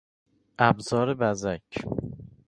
ابزار بزک